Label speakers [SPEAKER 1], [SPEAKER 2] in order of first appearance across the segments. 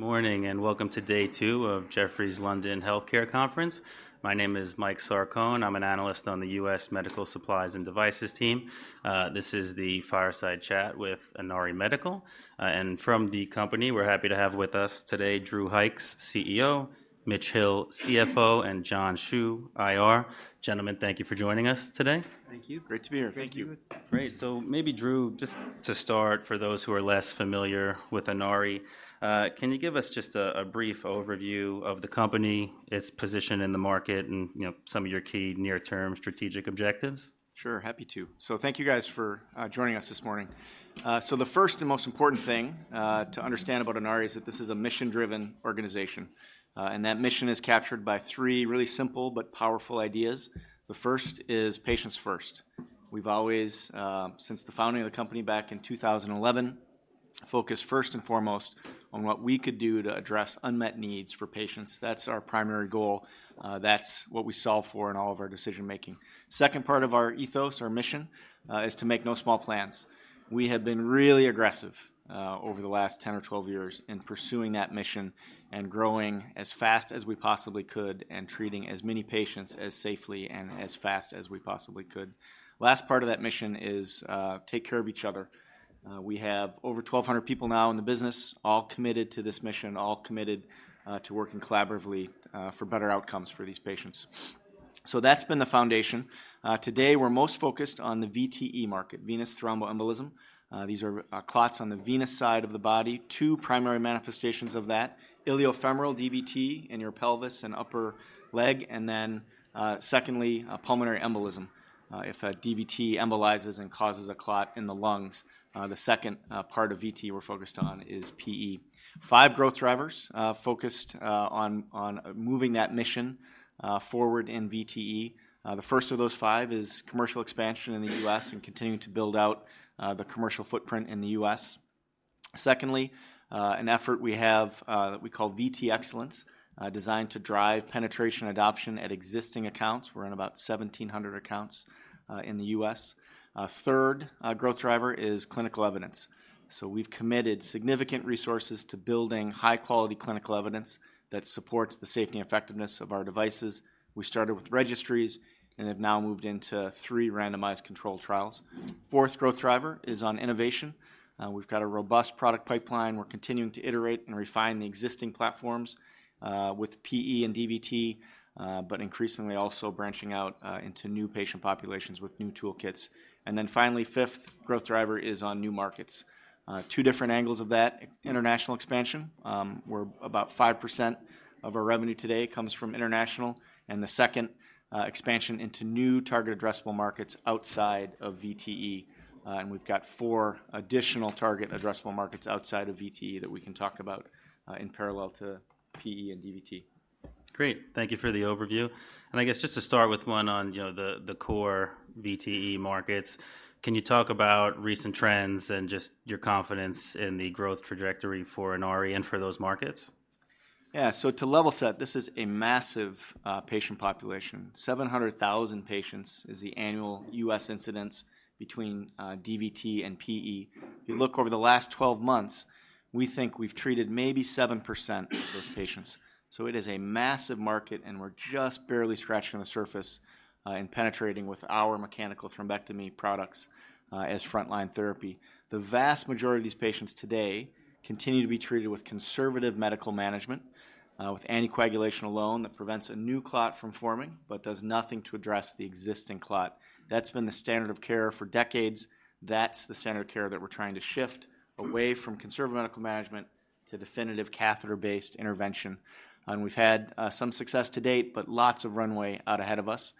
[SPEAKER 1] Good morning, and welcome to day two of Jefferies London Healthcare Conference. My name is Mike Sarcone. I'm an Analyst on the U.S. Medical Supplies and Devices team. This is the fireside chat with Inari Medical. And from the company, we're happy to have with us today, Drew Hykes, CEO, Mitch Hill, CFO, and John Hsu, IR. Gentlemen, thank you for joining us today.
[SPEAKER 2] Thank you.
[SPEAKER 3] Great to be here.
[SPEAKER 4] Thank you.
[SPEAKER 3] Thank you.
[SPEAKER 1] Great. So maybe, Drew, just to start, for those who are less familiar with Inari, can you give us just a brief overview of the company, its position in the market, and, you know, some of your key near-term strategic objectives?
[SPEAKER 3] Sure, happy to. Thank you, guys, for joining us this morning. The first and most important thing to understand about Inari is that this is a mission-driven organization, and that mission is captured by three really simple but powerful ideas. The first is patients first. We've always, since the founding of the company back in 2011, focused first and foremost on what we could do to address unmet needs for patients. That's our primary goal. That's what we solve for in all of our decision-making. Second part of our ethos or mission is to make no small plans. We have been really aggressive over the last 10 or 12 years in pursuing that mission and growing as fast as we possibly could and treating as many patients as safely and as fast as we possibly could. Last part of that mission is take care of each other. We have over 1,200 people now in the business, all committed to this mission, all committed to working collaboratively for better outcomes for these patients. So that's been the foundation. Today, we're most focused on the VTE market, venous thromboembolism. These are clots on the venous side of the body. Two primary manifestations of that: iliofemoral DVT in your pelvis and upper leg, and then secondly, a pulmonary embolism. If a DVT embolizes and causes a clot in the lungs, the second part of VTE we're focused on is PE. Five growth drivers focused on moving that mission forward in VTE. The first of those five is commercial expansion in the U.S. and continuing to build out the commercial footprint in the U.S. Secondly, an effort we have that we call VTE Excellence, designed to drive penetration adoption at existing accounts. We're in about 1,700 accounts in the U.S. Third, growth driver is clinical evidence. So we've committed significant resources to building high-quality clinical evidence that supports the safety and effectiveness of our devices. We started with registries and have now moved into three randomized controlled trials. Fourth growth driver is on innovation. We've got a robust product pipeline. We're continuing to iterate and refine the existing platforms with PE and DVT, but increasingly also branching out into new patient populations with new toolkits. And then finally, fifth growth driver is on new markets. Two different angles of that: international expansion. We're about 5% of our revenue today comes from international, and the second, expansion into new target addressable markets outside of VTE. And we've got four additional target addressable markets outside of VTE that we can talk about, in parallel to PE and DVT.
[SPEAKER 1] Great. Thank you for the overview. I guess just to start with one on, you know, the core VTE markets, can you talk about recent trends and just your confidence in the growth trajectory for Inari and for those markets?
[SPEAKER 3] Yeah, so to level set, this is a massive patient population. 700,000 patients is the annual U.S. incidence between DVT and PE. You look over the last 12 months, we think we've treated maybe 7% of those patients. So it is a massive market, and we're just barely scratching the surface and penetrating with our mechanical thrombectomy products as frontline therapy. The vast majority of these patients today continue to be treated with conservative medical management with anticoagulation alone that prevents a new clot from forming but does nothing to address the existing clot. That's been the standard of care for decades. That's the standard of care that we're trying to shift away from conservative medical management to definitive catheter-based intervention. And we've had some success to date, but lots of runway out ahead of us.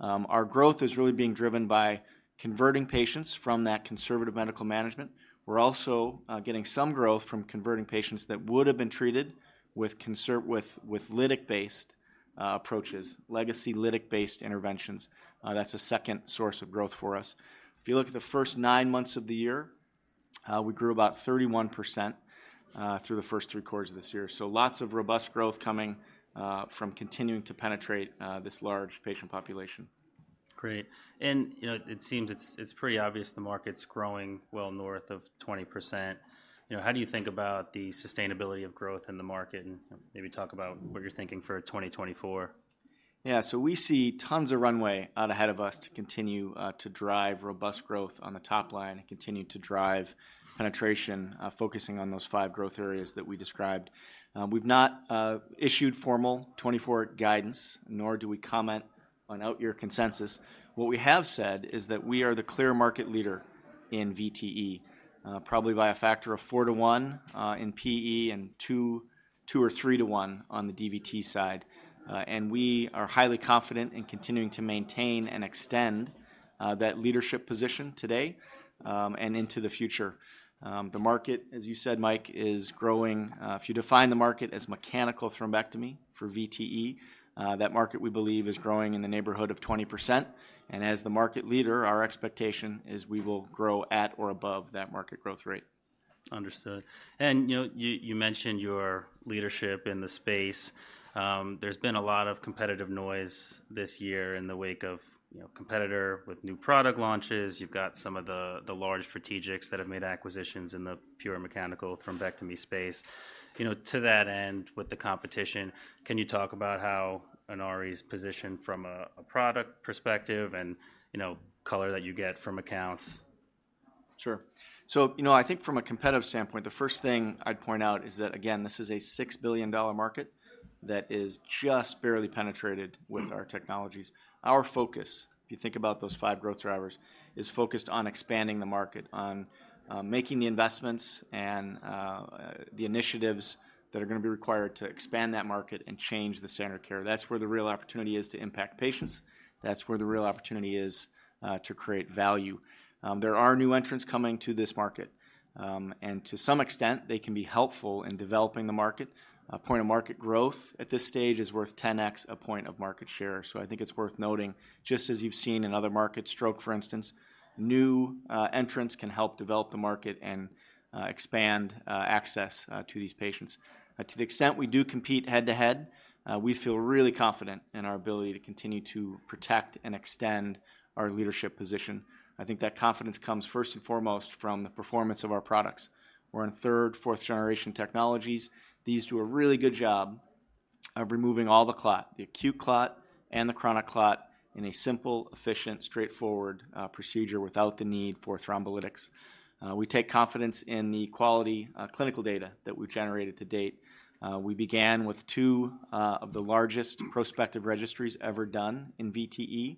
[SPEAKER 3] Our growth is really being driven by converting patients from that conservative medical management. We're also getting some growth from converting patients that would have been treated with with lytic-based approaches, legacy lytic-based interventions. That's the second source of growth for us. If you look at the first nine months of the year, we grew about 31% through the first three quarters of this year. So lots of robust growth coming from continuing to penetrate this large patient population.
[SPEAKER 1] Great. And, you know, it seems it's, it's pretty obvious the market's growing well north of 20%. You know, how do you think about the sustainability of growth in the market? And maybe talk about what you're thinking for 2024.
[SPEAKER 3] Yeah. So we see tons of runway out ahead of us to continue to drive robust growth on the top line and continue to drive penetration, focusing on those five growth areas that we described. We've not issued formal 2024 guidance, nor do we comment on out-year consensus. What we have said is that we are the clear market leader in VTE, probably by a factor of four to one in PE and two or three to one on the DVT side. And we are highly confident in continuing to maintain and extend that leadership position today and into the future. The market, as you said, Mike, is growing. If you define the market as mechanical thrombectomy for VTE, that market, we believe, is growing in the neighborhood of 20%, and as the market leader, our expectation is we will grow at or above that market growth rate....
[SPEAKER 1] Understood. And, you know, you mentioned your leadership in the space. There's been a lot of competitive noise this year in the wake of, you know, competitor with new product launches. You've got some of the large strategics that have made acquisitions in the pure mechanical thrombectomy space. You know, to that end, with the competition, can you talk about how Inari's positioned from a product perspective and, you know, color that you get from accounts?
[SPEAKER 3] Sure. So, you know, I think from a competitive standpoint, the first thing I'd point out is that, again, this is a $6 billion market that is just barely penetrated with our technologies. Our focus, if you think about those five growth drivers, is focused on expanding the market, on making the investments and the initiatives that are gonna be required to expand that market and change the standard of care. That's where the real opportunity is to impact patients. That's where the real opportunity is to create value. There are new entrants coming to this market, and to some extent, they can be helpful in developing the market. A point of market growth at this stage is worth 10x a point of market share. So I think it's worth noting, just as you've seen in other markets, stroke, for instance, new entrants can help develop the market and expand access to these patients. To the extent we do compete head-to-head, we feel really confident in our ability to continue to protect and extend our leadership position. I think that confidence comes first and foremost from the performance of our products. We're in third, fourth generation technologies. These do a really good job of removing all the clot, the acute clot and the chronic clot, in a simple, efficient, straightforward procedure without the need for thrombolytics. We take confidence in the quality clinical data that we've generated to date. We began with two of the largest prospective registries ever done in VTE,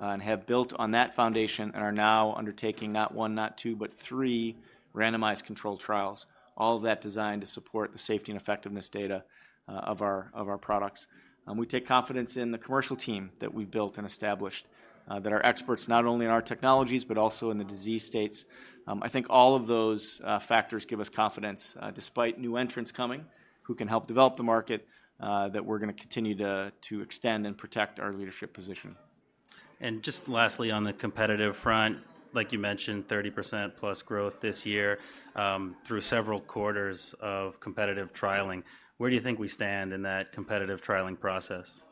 [SPEAKER 3] and have built on that foundation and are now undertaking not one, not two, but three randomized controlled trials, all of that designed to support the safety and effectiveness data of our products. We take confidence in the commercial team that we've built and established that are experts not only in our technologies, but also in the disease states. I think all of those factors give us confidence despite new entrants coming, who can help develop the market that we're gonna continue to extend and protect our leadership position.
[SPEAKER 1] Just lastly, on the competitive front, like you mentioned, 30%+ growth this year, through several quarters of competitive trialing. Where do you think we stand in that competitive trialing process?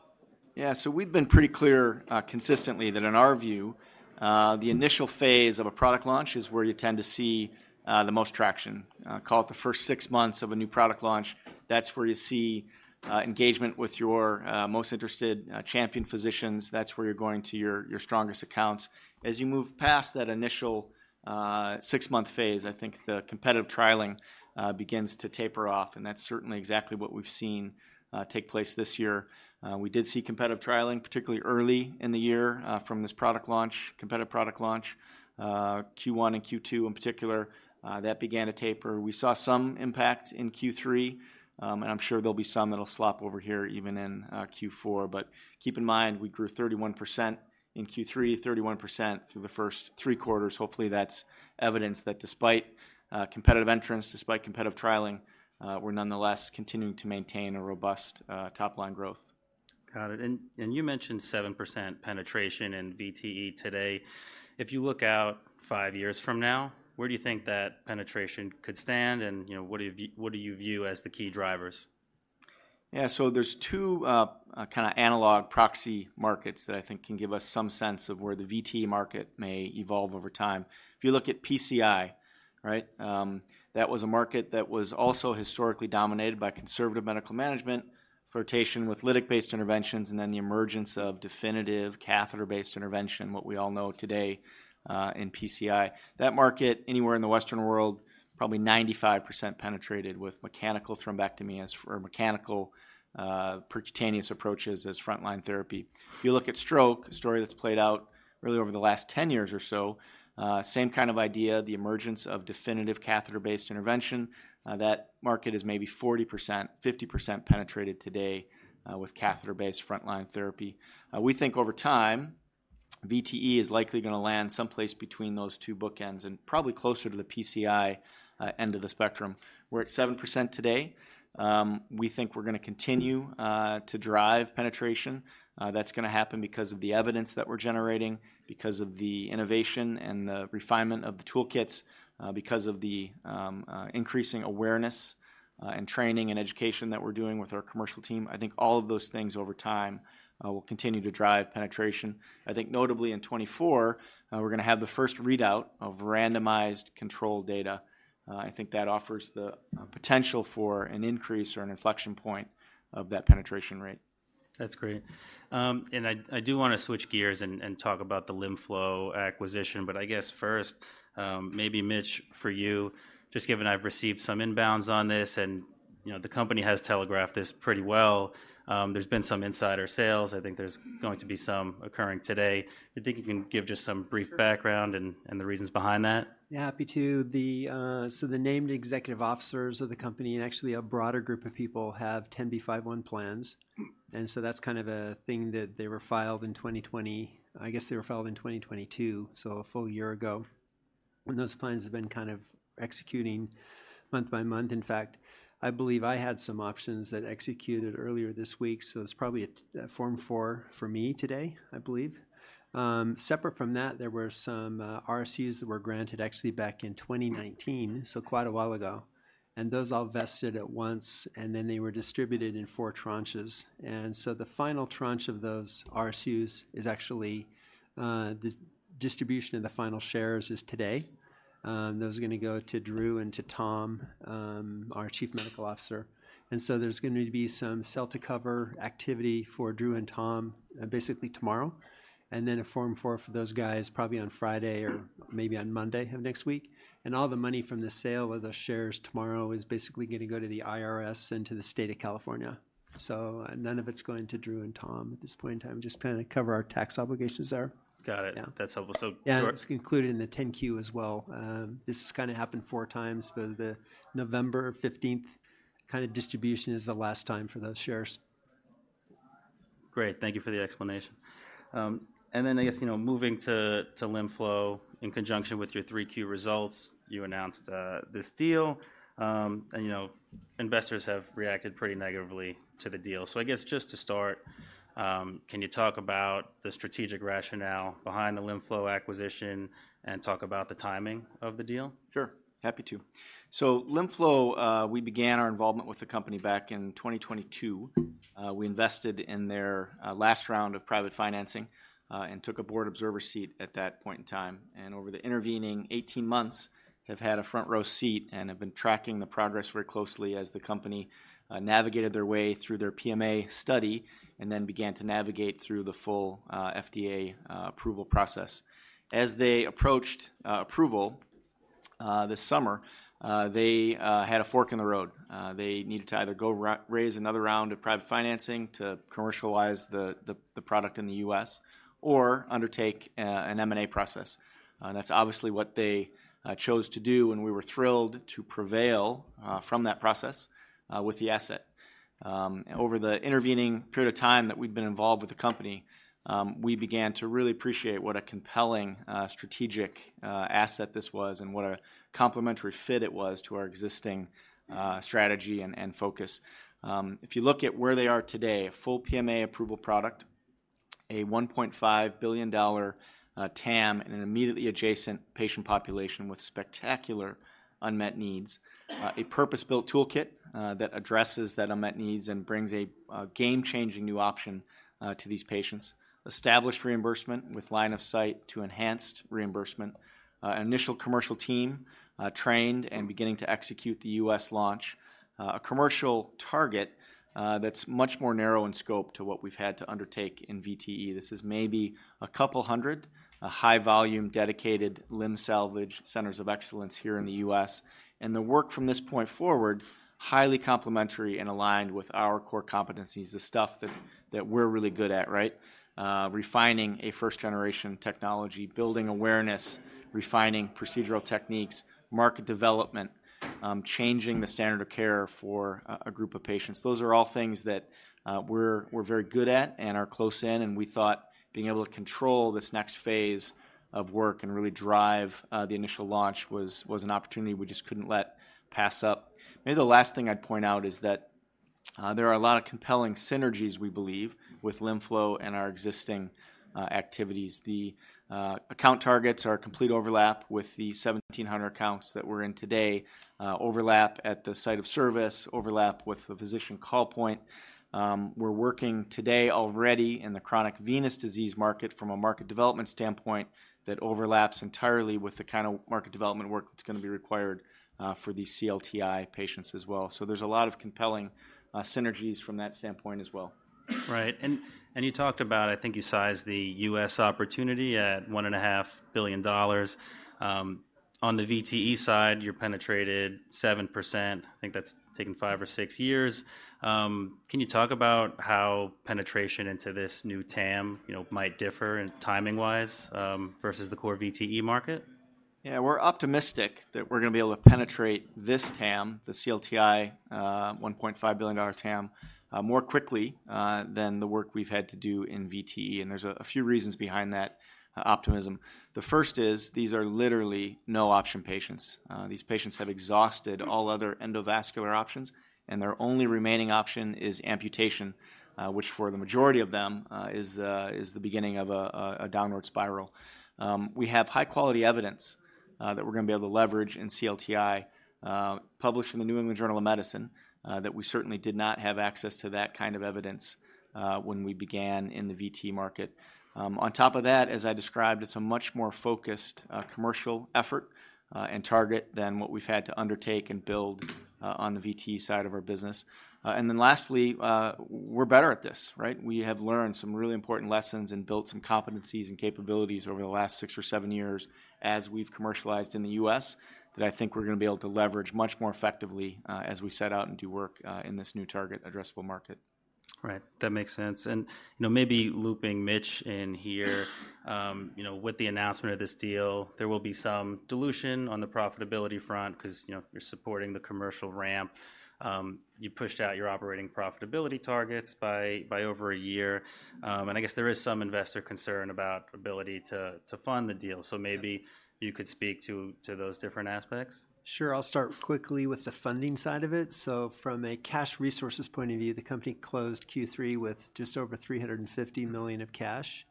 [SPEAKER 3] Yeah, so we've been pretty clear consistently that in our view the initial phase of a product launch is where you tend to see the most traction. Call it the first six months of a new product launch, that's where you see engagement with your most interested champion physicians. That's where you're going to your strongest accounts. As you move past that initial six-month phase, I think the competitive trialing begins to taper off, and that's certainly exactly what we've seen take place this year. We did see competitive trialing, particularly early in the year, from this product launch, competitive product launch, Q1 and Q2 in particular. That began to taper. We saw some impact in Q3, and I'm sure there'll be some that'll slop over here, even in Q4. But keep in mind, we grew 31% in Q3, 31% through the first three quarters. Hopefully, that's evidence that despite competitive entrants, despite competitive trialing, we're nonetheless continuing to maintain a robust top-line growth.
[SPEAKER 1] Got it. You mentioned 7% penetration in VTE today. If you look out five years from now, where do you think that penetration could stand? And, you know, what do you view as the key drivers?
[SPEAKER 3] Yeah, so there's 2, kinda analog proxy markets that I think can give us some sense of where the VTE market may evolve over time. If you look at PCI, right? That was a market that was also historically dominated by conservative medical management, filtration with lytic-based interventions, and then the emergence of definitive catheter-based intervention, what we all know today, in PCI. That market, anywhere in the Western world, probably 95% penetrated with mechanical thrombectomy as for mechanical, percutaneous approaches as frontline therapy. If you look at stroke, a story that's played out really over the last 10 years or so, same kind of idea, the emergence of definitive catheter-based intervention. That market is maybe 40%, 50% penetrated today, with catheter-based frontline therapy. We think over time, VTE is likely gonna land someplace between those two bookends, and probably closer to the PCI end of the spectrum. We're at 7% today. We think we're gonna continue to drive penetration. That's gonna happen because of the evidence that we're generating, because of the innovation and the refinement of the toolkits, because of the increasing awareness and training and education that we're doing with our commercial team. I think all of those things over time will continue to drive penetration. I think notably in 2024, we're gonna have the first readout of randomized controlled data. I think that offers the potential for an increase or an inflection point of that penetration rate.
[SPEAKER 1] That's great. And I do wanna switch gears and talk about the LimFlow acquisition, but I guess first, maybe Mitch, for you, just given I've received some inbounds on this, and, you know, the company has telegraphed this pretty well. There's been some insider sales. I think there's going to be some occurring today. Do you think you can give just some brief background and the reasons behind that?
[SPEAKER 4] Yeah, happy to. The named executive officers of the company, and actually a broader group of people, have 10b5-1 plans. And so that's kind of a thing that they were filed in 2020... I guess they were filed in 2022, so a full year ago... when those plans have been kind of executing month by month. In fact, I believe I had some options that executed earlier this week, so it's probably a Form 4 for me today, I believe. Separate from that, there were some RSUs that were granted actually back in 2019, so quite a while ago, and those all vested at once, and then they were distributed in four tranches. And so the final tranche of those RSUs is actually the distribution of the final shares is today. Those are gonna go to Drew and to Tom, our Chief Medical Officer. And so there's going to be some sell-to-cover activity for Drew and Tom, basically tomorrow, and then a Form 4 for those guys, probably on Friday or maybe on Monday of next week. And all the money from the sale of the shares tomorrow is basically going to go to the IRS and to the state of California. So none of it's going to Drew and Tom at this point in time, just kinda cover our tax obligations there.
[SPEAKER 1] Got it.
[SPEAKER 4] Yeah.
[SPEAKER 1] That's helpful. So-
[SPEAKER 4] Yeah, it's concluded in the 10-Q as well. This has kinda happened 4x, but the November fifteenth kind of distribution is the last time for those shares.
[SPEAKER 1] Great, thank you for the explanation. And then, I guess, you know, moving to LimFlow in conjunction with your Q3 results, you announced this deal, and, you know, investors have reacted pretty negatively to the deal. So I guess just to start, can you talk about the strategic rationale behind the LimFlow acquisition and talk about the timing of the deal?
[SPEAKER 3] Sure, happy to. So LimFlow, we began our involvement with the company back in 2022. We invested in their last round of private financing and took a board observer seat at that point in time. And over the intervening 18 months, have had a front row seat and have been tracking the progress very closely as the company navigated their way through their PMA study and then began to navigate through the full FDA approval process. As they approached approval this summer, they had a fork in the road. They needed to either raise another round of private financing to commercialize the product in the U.S. or undertake an M&A process. That's obviously what they chose to do, and we were thrilled to prevail from that process with the asset. Over the intervening period of time that we've been involved with the company, we began to really appreciate what a compelling strategic asset this was and what a complementary fit it was to our existing strategy and focus. If you look at where they are today, a full PMA approval product, a $1.5 billion TAM, and an immediately adjacent patient population with spectacular unmet needs. A purpose-built toolkit that addresses that unmet needs and brings a game-changing new option to these patients. Established reimbursement with line of sight to enhanced reimbursement. Initial commercial team trained and beginning to execute the U.S. launch. A commercial target that's much more narrow in scope to what we've had to undertake in VTE. This is maybe 200, a high volume, dedicated limb salvage centers of excellence here in the U.S. And the work from this point forward, highly complementary and aligned with our core competencies, the stuff that we're really good at, right? Refining a first-generation technology, building awareness, refining procedural techniques, market development, changing the standard of care for a group of patients. Those are all things that we're very good at and are close in, and we thought being able to control this next phase of work and really drive the initial launch was an opportunity we just couldn't let pass up. Maybe the last thing I'd point out is that there are a lot of compelling synergies we believe with LimFlow and our existing activities. The account targets are a complete overlap with the 1,700 accounts that we're in today, overlap at the site of service, overlap with the physician call point. We're working today already in the chronic venous disease market from a market development standpoint that overlaps entirely with the kind of market development work that's gonna be required for these CLTI patients as well. So there's a lot of compelling synergies from that standpoint as well.
[SPEAKER 1] Right. And you talked about, I think you sized the U.S. opportunity at $1.5 billion. On the VTE side, you penetrated 7%. I think that's taken five or six years. Can you talk about how penetration into this new TAM, you know, might differ in timing-wise versus the core VTE market?
[SPEAKER 3] Yeah, we're optimistic that we're gonna be able to penetrate this TAM, the CLTI, $1.5 billion TAM, more quickly than the work we've had to do in VTE, and there's a few reasons behind that optimism. The first is, these are literally no-option patients. These patients have exhausted all other endovascular options, and their only remaining option is amputation, which for the majority of them is the beginning of a downward spiral. We have high-quality evidence that we're gonna be able to leverage in CLTI, published in the New England Journal of Medicine, that we certainly did not have access to that kind of evidence when we began in the VTE market. On top of that, as I described, it's a much more focused, commercial effort, and target than what we've had to undertake and build, on the VTE side of our business. And then lastly, we're better at this, right? We have learned some really important lessons and built some competencies and capabilities over the last six or seven years as we've commercialized in the U.S., that I think we're gonna be able to leverage much more effectively, as we set out and do work, in this new target addressable market. ...
[SPEAKER 1] Right, that makes sense. And, you know, maybe looping Mitch in here, you know, with the announcement of this deal, there will be some dilution on the profitability front, 'cause, you know, you're supporting the commercial ramp. You pushed out your operating profitability targets by over a year. And I guess there is some investor concern about ability to fund the deal. So maybe you could speak to those different aspects.
[SPEAKER 4] Sure, I'll start quickly with the funding side of it. So from a cash resources point of view, the company closed Q3 with just over $350 million of cash,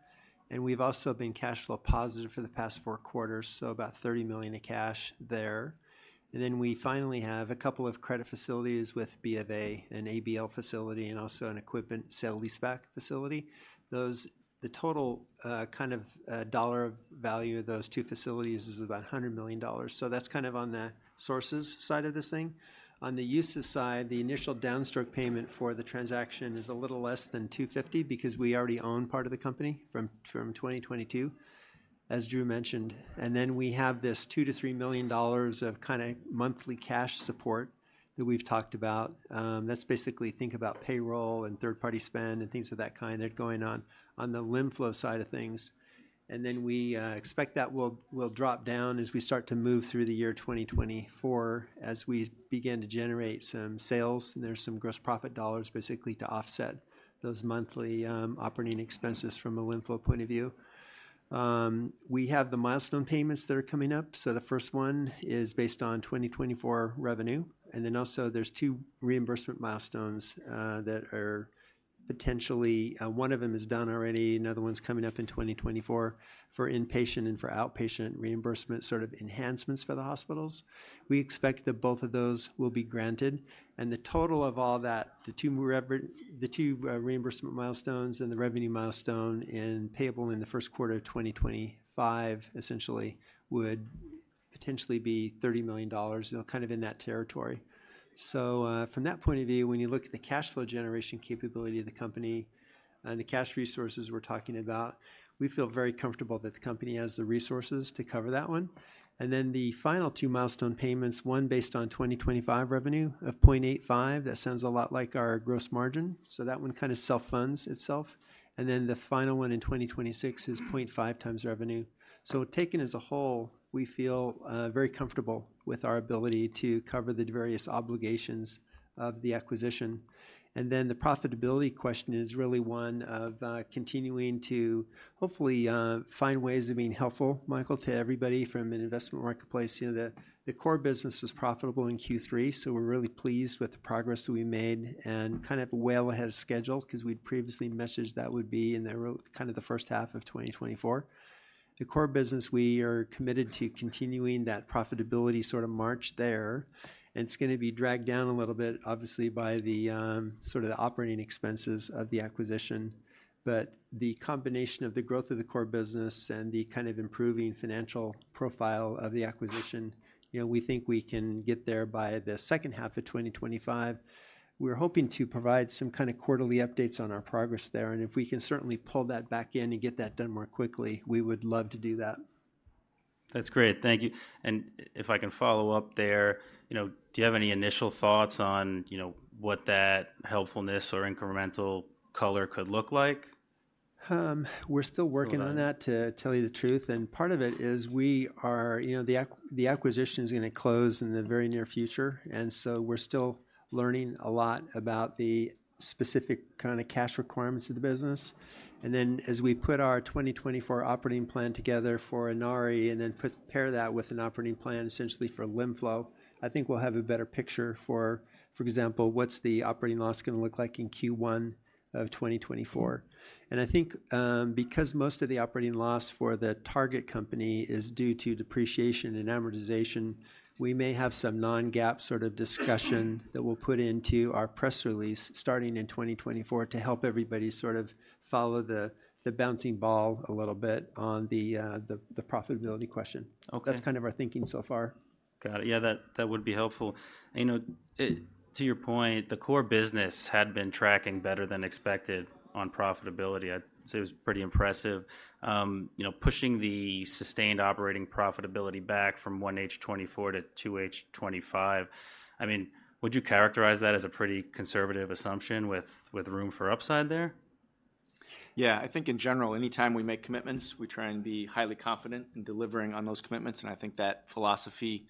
[SPEAKER 4] and we've also been cash flow positive for the past four quarters, so about $30 million in cash there. And then we finally have a couple of credit facilities with BofA, an ABL facility, and also an equipment sale-leaseback facility. Those. The total, kind of, dollar value of those two facilities is about $100 million. So that's kind of on the sources side of this thing. On the uses side, the initial downstroke payment for the transaction is a little less than $250 million, because we already own part of the company from 2022, as Drew mentioned. And then we have this $2 million-$3 million of kinda monthly cash support that we've talked about. That's basically think about payroll and third-party spend and things of that kind that are going on, on the LimFlow side of things. And then we expect that will drop down as we start to move through the year 2024, as we begin to generate some sales, and there's some gross profit dollars basically to offset those monthly operating expenses from a LimFlow point of view. We have the milestone payments that are coming up, so the first one is based on 2024 revenue. And then also there's two reimbursement milestones that are potentially... One of them is done already, another one's coming up in 2024 for inpatient and for outpatient reimbursement, sort of enhancements for the hospitals. We expect that both of those will be granted. And the total of all that, the two reimbursement milestones and the revenue milestone, and payable in the first quarter of 2025, essentially would potentially be $30 million, you know, kind of in that territory. So, from that point of view, when you look at the cash flow generation capability of the company and the cash resources we're talking about, we feel very comfortable that the company has the resources to cover that one. And then the final two milestone payments, one based on 2025 revenue of 0.85x. That sounds a lot like our gross margin, so that one kind of self-funds itself. And then the final one in 2026 is 0.5x revenue. So taken as a whole, we feel very comfortable with our ability to cover the various obligations of the acquisition. And then the profitability question is really one of continuing to hopefully find ways of being helpful, Michael, to everybody from an investment marketplace. You know, the core business was profitable in Q3, so we're really pleased with the progress that we made and kind of well ahead of schedule, 'cause we'd previously messaged that would be in the kind of the first half of 2024. The core business, we are committed to continuing that profitability sort of march there, and it's gonna be dragged down a little bit, obviously, by the sort of the operating expenses of the acquisition. But the combination of the growth of the core business and the kind of improving financial profile of the acquisition, you know, we think we can get there by the second half of 2025. We're hoping to provide some kind of quarterly updates on our progress there, and if we can certainly pull that back in and get that done more quickly, we would love to do that.
[SPEAKER 1] That's great. Thank you. And if I can follow up there, you know, do you have any initial thoughts on, you know, what that helpfulness or incremental color could look like?
[SPEAKER 4] We're still working-
[SPEAKER 3] Still working...
[SPEAKER 4] on that, to tell you the truth. And part of it is we are—you know, the acquisition is gonna close in the very near future, and so we're still learning a lot about the specific kind of cash requirements of the business. And then, as we put our 2024 operating plan together for Inari, and then pair that with an operating plan, essentially for LimFlow, I think we'll have a better picture for, for example, what's the operating loss gonna look like in Q1 of 2024? And I think, because most of the operating loss for the target company is due to depreciation and amortization, we may have some non-GAAP sort of discussion that we'll put into our press release starting in 2024, to help everybody sort of follow the bouncing ball a little bit on the profitability question.
[SPEAKER 1] Okay.
[SPEAKER 4] That's kind of our thinking so far.
[SPEAKER 1] Got it. Yeah, that, that would be helpful. You know, it, to your point, the core business had been tracking better than expected on profitability. I'd say it was pretty impressive. You know, pushing the sustained operating profitability back from 1H 2024 to 2H 2025, I mean, would you characterize that as a pretty conservative assumption with, with room for upside there?
[SPEAKER 3] Yeah, I think in general, anytime we make commitments, we try and be highly confident in delivering on those commitments, and I think that philosophy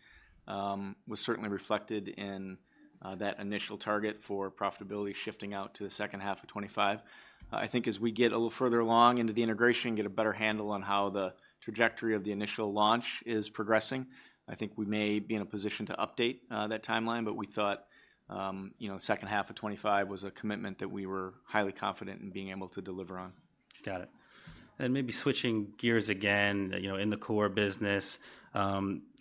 [SPEAKER 3] was certainly reflected in that initial target for profitability shifting out to the second half of 2025. I think as we get a little further along into the integration and get a better handle on how the trajectory of the initial launch is progressing, I think we may be in a position to update that timeline. But we thought, you know, second half of 2025 was a commitment that we were highly confident in being able to deliver on.
[SPEAKER 1] Got it. Maybe switching gears again, you know, in the core business,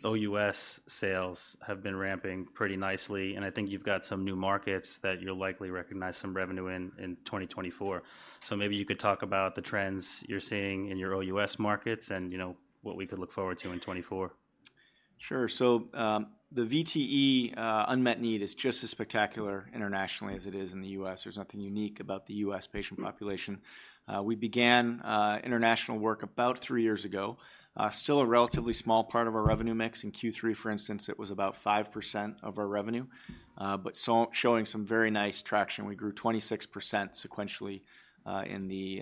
[SPEAKER 1] OUS sales have been ramping pretty nicely, and I think you've got some new markets that you'll likely recognize some revenue in, in 2024. So maybe you could talk about the trends you're seeing in your OUS markets and, you know, what we could look forward to in 2024?
[SPEAKER 3] Sure. So, the VTE unmet need is just as spectacular internationally as it is in the U.S. There's nothing unique about the U.S. patient population. We began international work about three years ago. Still a relatively small part of our revenue mix. In Q3, for instance, it was about 5% of our revenue, but showing some very nice traction. We grew 26% sequentially in the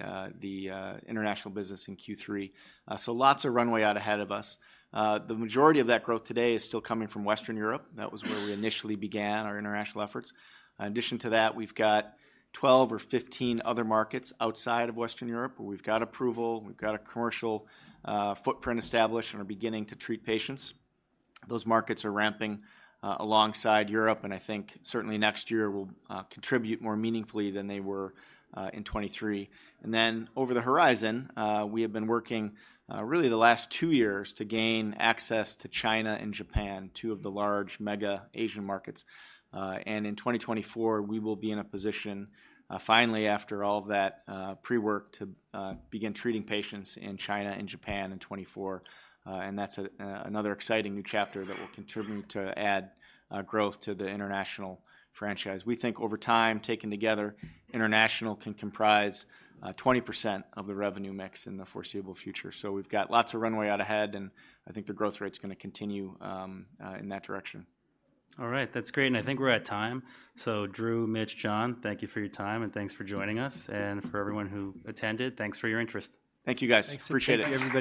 [SPEAKER 3] international business in Q3. So lots of runway out ahead of us. The majority of that growth today is still coming from Western Europe. That was where we initially began our international efforts. In addition to that, we've got 12 or 15 other markets outside of Western Europe, where we've got approval, we've got a commercial footprint established and are beginning to treat patients. Those markets are ramping alongside Europe, and I think certainly next year will contribute more meaningfully than they were in 2023. Over the horizon, we have been working really the last two years to gain access to China and Japan, two of the large mega Asian markets. In 2024, we will be in a position finally, after all that pre-work, to begin treating patients in China and Japan in 2024. That's another exciting new chapter that will contribute to add growth to the international franchise. We think over time, taken together, international can comprise 20% of the revenue mix in the foreseeable future. So we've got lots of runway out ahead, and I think the growth rate's gonna continue in that direction.
[SPEAKER 1] All right. That's great, and I think we're at time. So Drew, Mitch, John, thank you for your time, and thanks for joining us. And for everyone who attended, thanks for your interest.
[SPEAKER 3] Thank you, guys.
[SPEAKER 4] Thanks.
[SPEAKER 3] Appreciate it.
[SPEAKER 4] Thank you, everybody.